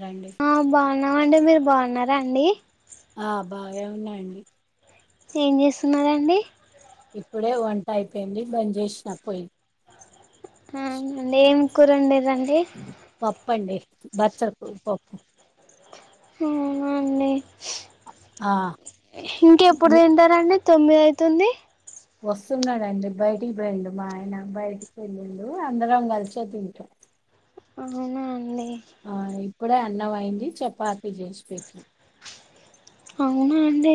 రండి ఆ బావున్నామండి. మీరు బాగవున్నా రండి ఆ బాగే ఉన్నాఅండి. ఏం చేస్తున్నారండి. ఇప్పుడే వంట అయిపోయింది, బంజేశిన పొయ్యి. ఆ అంటే ఎం కూరండారు. రండి ప్పండి బచ్చలకూర పప్పు. అవునా అండి. ఆ ఇంకెప్పుడు మీ తింటారండి. తొమ్మిది అయితుంది. వస్తున్నాడండి. బయటికి పోయిండు మా ఆయన బయటికి వెళ్ళిండు అందరం కలిసే తింటం. అవునా అండి. ఆ ఇ ఇప్పుడే అన్నంమైంది చపాతి చేశి పెట్టి అవునా అండి.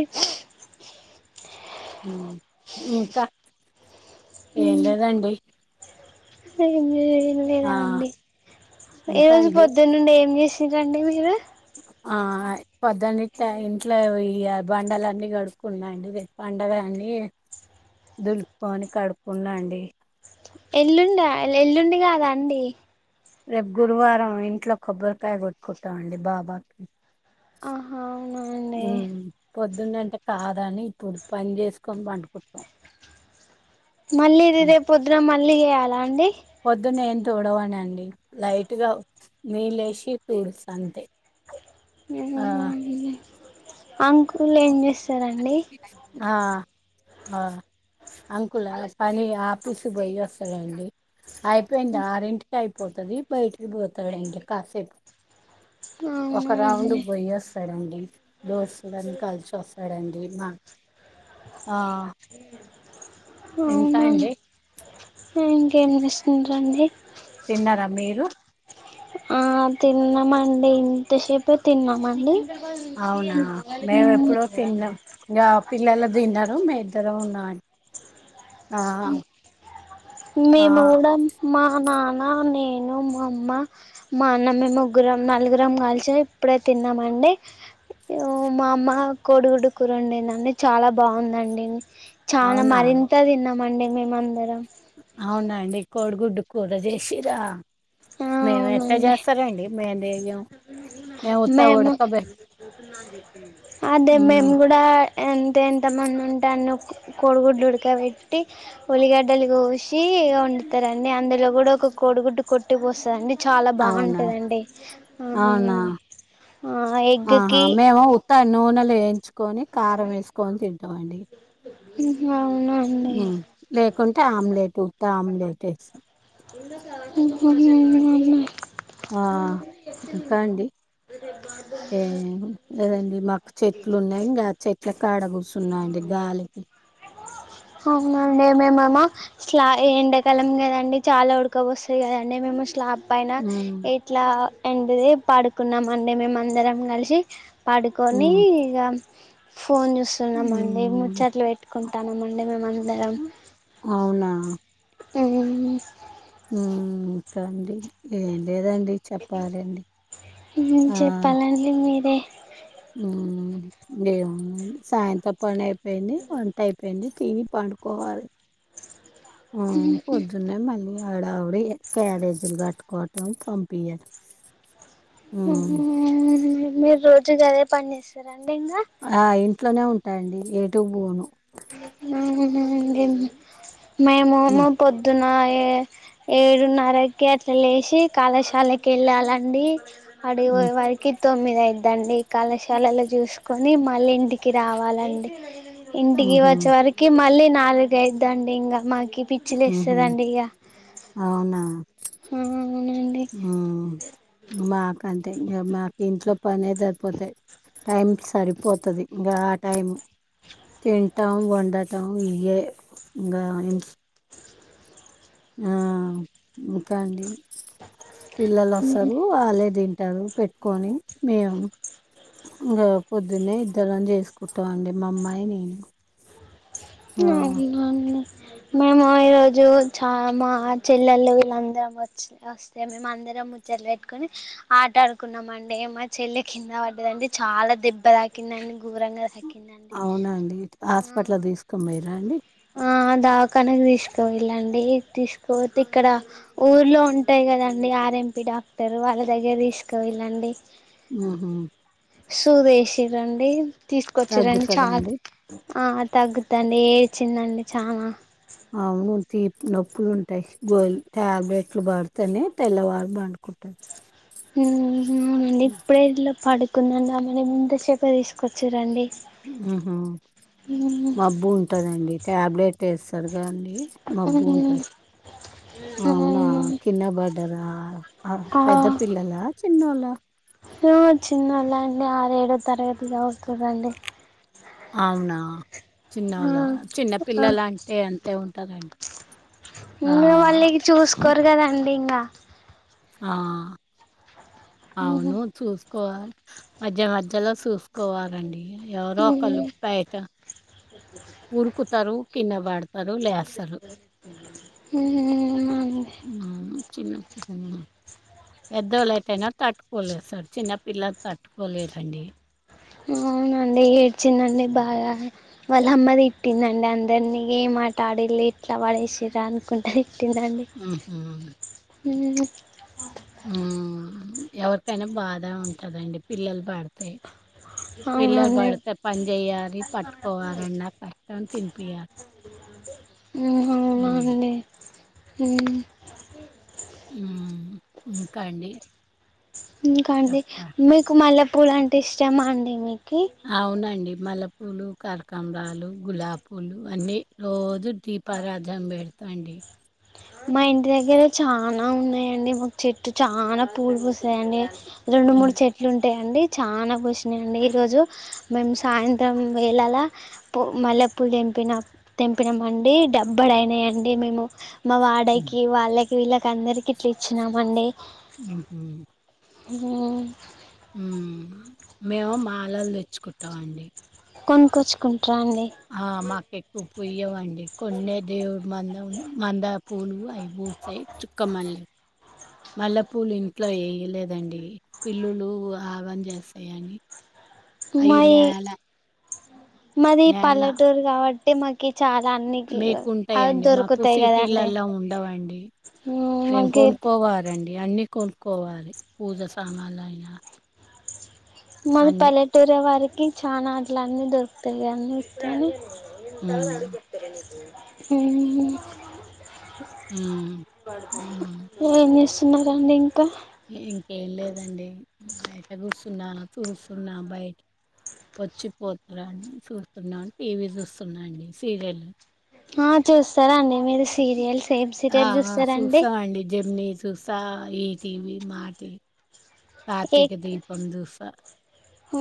హ్ ఇంకా ఏం లేదండి. అ [unintelligible] ఆ తినలేదా అండి. ఈ ఇంకా రోజు అండి పొద్దున్న నుండి ఏం చే శింరండి మీరు? ఆయ్ పొద్దనిట్ట ఇంట్లో ఇగ బండలన్ని కడుక్కున్నా అండి. ఇదే పండగ అని దులుపుకోని కడుక్కున్నా అండి. ఎల్లుండా ఎల్లుండి కాదా అండి. రేపు గురువారం ఇంట్లో కొబ్బరికాయ కొట్టుకుంటామండి బాబాకి. ఆహా అవునా అండి. పొద్దున్నంటే కాదని ఇప్పుడు పని చేసుకొని పండుకుంటాం. మళ్ళీ రేరేపొద్దునా మ ళ్లియాల అండి పొద్దున్న ఏం తోడవానండి లైట్గా నీళ్ళ వసి పీల్స్ అంతే ఆ అవునా అండి. అంకుల్ ఏం చేస్తాన ఆ ఆ అంకుల్ అ పని ఆఫీస్ పోయి వస్తాడంండి అయిపోయింది ఆరింటికి అయిపోతుది బయటికి పోతాడండి కాసేపు ఒక అవునా రౌండ్ అండి పోయ్య వస్తాడండి దోస్తుడుని కలిసి వస్తాడుడి ఆ ఇంకా అవునా అండి ఇంకేం చేస్తునటుర అండి తిన్నారా మీరు ఆ తిన్నామండి ఇంతసేపే తిన్నామండి అవునా మేము ఎప్పుడో తిన్నాం ఇంకా పిల్లలు తిన్నారురు మే ఇద్దరం ఉన్నా మేము కూడా మా నాన్న నేను మా అమ్మ మా అన్న మేము ముగ్గురం నలుగురం కాలిచిన ఇప్పుడే తిన్నామండి మా అమ్మ కొడుగుడు కూరు ఉండిందండి చాలా బాగుందండి చనా అవునా? మరింత తిన్నామండి మేం అందరం అవునండి కోడిగుడ్డు కూర చేసిరా ఆ మేము ఎంత అవునండి చేస్తారంండి మేము దగం మేముత్త ఉడకబట్ దకుని అదే మేము కూడా ఎంత ఎంత మంది ఉంటాను కోడిగుడ్లు ఉడకబెట్టి ఉలిగడ్డలు కోసి వండుతారండి అందులో కూడా ఒక కోడిగుడ్డు కొట్టి పోస్తుందండి చాలా అవునా? బాగుంటుందండి అవునా? అవునండి ఆహా! ఎగ్కి మేము ఉత్త నూనెలో వేయించుకొని కారం వేసుకొని తింటామండి హా అవును హే అండ్ టే ఆమ్లెట్ ఉట్ట ఆమ్లెట్ వేస్తం హమ్ ఆ ఇంకా అండి ఏ ఏదండి మాకు చెట్లు ఉన్నాయి ఇంకా చెట్ ఎట్లక్కడ కూర్చున్నాండి గాలికి అవన ఉండే మేమేమ స్లా ఎండకాలం కదండడి చాలా ఉడకబ వస్తాయి కదండి మేము స్లాబ్ పైన హ్మ్ ఎట్లా ఎండది పాడుకున్నాం అండి అందరం కలిసి పడుకొని హ్మ్ ఇక ఫోన్ చూస్తున్నాంమండి హ్మ్. ముచ్చట్లు పెట్టుకుంటానమండి మనం లే ఆ టైమింగ్స్ ఉమ్ కండి లెన్ ఉమ్ చెప్పాలండి మీరే ఉమ్ ఏం సాయంతపనే వెనే ఉంటాడ్ పెండి తీని పాడుకోవాల్ ఆ పొద్దునే మళ్ళీ ఆడ ఆవిడలే కయ్యరేజీలు కట్టుకోవటం పంపియటం ఉహ్ ఉమ్ మీర్ [unintelligible] ఇగా అదే పన్ చేస్తారా ఆ ఇంట్లోనే ఉన్ అండి ఏటుూ పోను ఉహ్ ఉమ్ [unintelligible] మేము నా హ్మ్. పొద్దున్ ఆ ఏ ఏడునరకే అట్లా లేసి కళాశాలకి వెళ్ళాలండి అడి హ్మ్. పోయేవరకే తొమిద్ [unintelligible] దండి కళాశాలలో చూసుకు కానీ మళ్ళీ ఇంటికి రావాలండి ఇన్ టీ హుహు. వచ్చేవారికి మళ్ళీ నాలుగు చేయడండి ఇంగ మాకి ఈ పిచ్చి హుహు. లేస్తది అండి ఇగ ఉమ్ ఉమ్ మాక్ అన్ [unintelligible] మాకి ఇంట్లో పనే సరిపోతడి టైం సరిపోతది ఇంగ ఆ టైం తింటం వండటం ఇయే ఇంగ ఇ ఆ ఇంకా అండి పిల్లలు అసలు అలెథిన్ పెట్టారు పెట్టుకొని మేం ఇగ పొద్దున్నే ఇద్దరం చేసుకుంటాం అండి మా అమ్మాయి నేను ఆ, నాక్ ఇవి అని మేము ఈరోజు చ మా చెల్లెళ్లు వీళ్ళందరం వచ్చి వస్తే మేము అందరం ముచ్చట్లు పెట్టుకొని ఆట ఆదుకునం అండి, ఏ మా చెల్లె కింద పడ్డదండి చాలా దెబ్బ తాకింది అండి ఘోరంగా తాకి అవునండి హాస్పిటల్ తీసుకొని పోయ్ రండి దావ్కనక్ తీస్కవొళ్ళండి తీసుకపోతే ఇక్కడ ఊర్లో ఉంటాయి కదండడి ఆర్ఎంపి డాక్టర్ వాళ్ళ దగ్గర తీస్క వెెళ్ళండి మ్ హ్ సూదేేశి రండీ తీసుకొచ్చిరండి చాల్ తగ్గుతుందండి ఆ తగ్గుత్తండీ చిన్నండి చానా అవును తీ నొప్పులుంట్ గోల్ టాబె ట్లు బాడతనే తెల్ల వార్ బండుకుంటడ్ మ్ ఇప్పుడే ఇట్ల పడు కుందం మెన్ ఇంతసేపే తీసుకొచ్చిరండి ఆహ మబ్బు ఉంటదండి టాబ్లెట్ ట్టేసర్ గా అండి మబ్బు ఉంటద్ అవునా కిన్నా బర్ అదా ఆ పెద్ద పిల్లలా పిన్నోలా చిన్నోళ్ళండి ఆరు ఏడో తరగతి సవుతురండి అవునా చిన్నోళ్ల చిన్నపిల్లలు ఇంగా అంటే అంతే ఉంటుందండ్ ఆ కొర్గదండి ఇంగా ఆ అవును చూస్ కో మధ్య మధ్యలో చూసుకోవాలండీ ఎవరో ఒకలు ప్యాయట సఓ [unintelligible] ఊరుకుతరు కిందపడత్ రు లేసరు ఆ చిన్న పెద్దోలుయితేయినా తట్టుకోలేదు సార్ చిన్నపిల్లల్ తట్టుకోలేరండి అవునండి ఏడ్చిందండి బాగా వాళ్ళ అమ్మది తిట్టిందండి అందరినీ ఏ మాట ఆడళ్ళ ఎట్లా వాడేసిరా అనుకుంటది ఊ మ్ హ్ ఉ ఆ [unintelligible] ఎవరికైనా బాధ ఉంటదండి పిల్లల్ బడితే పిల్ల అవునండి పడితే పని చేయాలి పట్టుకోవాలన్న కష్టం తినిపియాల్ [inaudible] మ్ మ్ ఉ ఇంకా అండి ఇంకా అండి చెప్పా మీకు మళ పూలు అంటే ఇష్టమా అండి మీకు అవునండి మల్ల పూలు కరకాంబరాలు గులాబ పూలు అన్నీ రోజు దీప రాజ అంబేడ్ తండే మా ఇంటి దగ్గర చాల ఉన్నాయండి మా చెట్టు చాల పూలు పుస్తాయండి రెండు మూడు హ్మ్. చెట్లు ఉ [unintelligible] అండి చాలా కషినయండి ఈరోజు, మేము సాయంత్రం వేలలా ప మల్లె పూలు తెంపిన తెంపినామండి, డబ్బల అయినాయండి మేము మా హ్మ్. వాడకి వాళ్ళ వీళ్ళకి అందరికి ఇట్లా ఇచ్చినామండి ఆ మ్ మేము మాలలు తెచ్చుకుంటాం అండి కొన్ కోచ్చుకో హ మాకేకు కుయ్యవాం కొండే దేవుడు మంద మంద పూలు ఐబూసై చుక్కమల్లె మల్లెపూలు ఇంట్లో వేయలేదండి పిల్లులు ఆగం చేస్తాయని అయినాల అ మాది పల్లెటూరు కాబట్టి ట మా మీకుంటాయండి మాకు దొరుకుతాయి కదండి సిటీలలా ఉండవండి, మేము మాకి కొనుక్కోవాలండి. అన్ని కొలొకోవాలి పూజ సామాలు అయినా మన పల్లెటూరు వారికి చాలా అలన్నీ దొరుకు యన్న ఇస్తని ఇంతా హ్మ్. అడిగికుట్తరా నకు మ్ హ్మ్. హ్మ్. ఏమ్ చే ఉన్నారడి ఇంకా ఇంకేం లేదండి, బయట కూూస్తున్నా చూస్తున్నా బయట వచ్చిపోతార అని చూస్తున్నాం టీవీ చూస్తున్నా అండి సీరియల్ ఆ చూస్తారాండి మీరు సీరియల్స్ ఏమ్ సీరియల్ చూస్తారండి చూసా ఈటీవీ మాటీవీ ఎ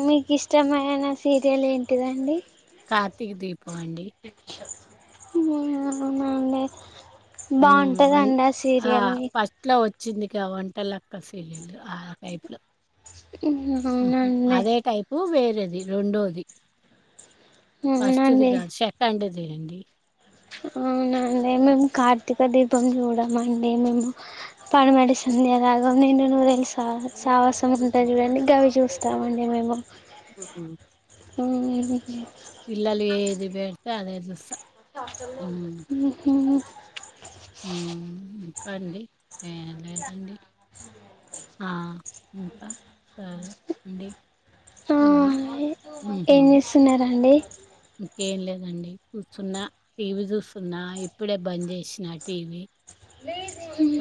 మీకి ఇష్టమయిన సీరియల్ ఏంటి టిదండీ కార్తీక దీపం పం అండి ఆ అవునా అండి హ్మ్. వన్ బాగుంటదండి ఆ సీరియల్ వచ్చిందిగా వంటలక్క సీరియల్ ఆ టైపులో అవునండి ది రెండోది అవునండి ఫస్ట్దిగాదు సెకండ్ది చేయండి అవునండి మేము కార్తీక దీపం చూడమండి మేము పడమటి సంధ్యారాగం, నిండు నూరేళ్ళు సహవా సావాసం ఉంటది హ్మ్. చూడండి గవి చూస్త తామండి మేము ఆ ఆమ్ పిల్లలు ఏది పెడితే అదే చూస్తా హ్మ్. ఉహు ఇంకా అండి లే లేదండి ఆ ఇంకా సరే అండి ఆ తిన్ ఏం చేస్తున్నారండి ఏం లేదండి చూస్తున్నా టీవీ చూస్తున్నా ఇప్పుడే బంద్ చేసినా టీవీ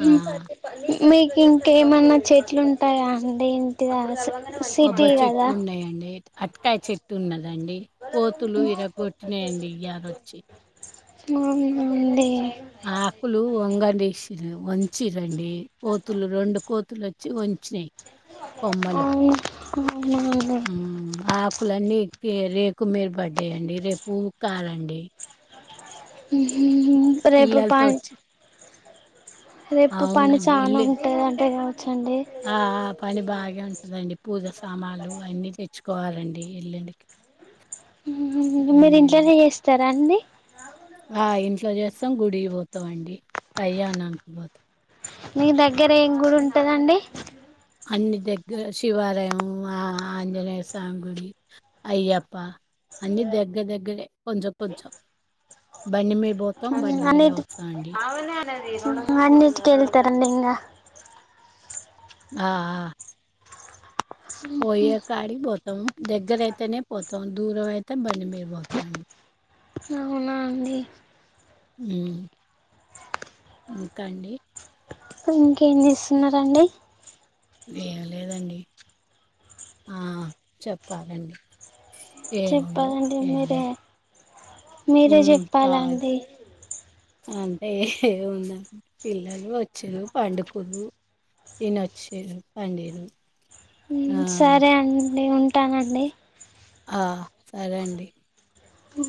ఆ! మీకు ఇంకేమన్నా చెట్లు ఉంటాయా ఇంటిదగ్గర అసలు కొబ్బరి చెట్లు ఉన్నాయండి అరటికాయ చెట్టు ఉందండి దండి కోతులు విరగ కొట్టినయండి ఇయ్యాలొచ్చి అవునా అండి ఆకులు ఒంగ వంచిరండి పోతులు రెండు కోతులు వచ్చి వంచినయి కొమ్మలు అవును అవునండి ఆమ్ ఆకులన్నీ రేకు మీద పడ్డాయి అండి రేపు ఊకాలండి ఆమ్ ఆహ్ ఉమ్ రేపు పాంచ్ పిల్లలతోటి రేపు పని అవునండి. చాన ఎల్లుం ఉంటది అంటే కాబ ఆ ఆ పని బాగే ఉంటదండి పూజస్ సామాన్లు అన్ని తెచ్ తెచ్చుకోవాలండి ఎల్లుండికి ఊఉ మీరు హ్మ్. ఇంట్లోనే చేస్తారా అండి ఆ ఇంట్లో చేస్తాం గుడికి పోతాం అండి అయ్యా అనానికి పోత్ మీ దగ్గర ఏం కూర ఉంటదండి అన్ని దగ్గర శివాలయం ఆంజనేయ సామి గుడి అయ్యప్ప అన్ని దగ్గర దగ్గరే కొంచెం కొంచెం బండి పో అ అన్నిటికి అన్నింటికి వెళ్తారండి. ఇగా ఆ అ పోయే కాడి బో దగ్గర అయితేనే పోతాం దూరం అయితే బండి మీరి పోతామండి అవునా అండి ఊ ఇంకా అండి ఇంకేం చేస్తున్నారండి ఏమి లేదండి. ఆ చెప్పాలండి. ఏముంది చెప్పాలండి ఏం మీరే లేదు మీరే ఉమ్, కాదు చెప్పాలండి. అంటే ఏముంది పిల్లలు వచ్చిరు. పండుకులు ఈన వచ్చిరు పండిర్రు. ఉ సరే అన్ నే ఉంటానండి ఆ సరే అండి ఉ